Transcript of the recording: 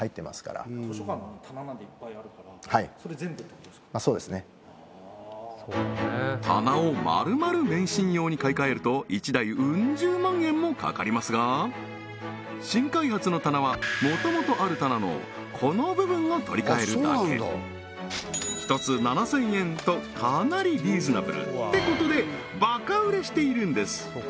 結果ってわけはい棚をまるまる免震用に買い替えると１台ウン十万円もかかりますが新開発の棚はもともとある棚のこの部分を取り替えるだけ１つ７０００円とかなりリーズナブルってことでバカ売れしているんです！